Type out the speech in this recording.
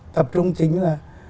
tập trung chính là